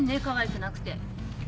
かわいくなくて。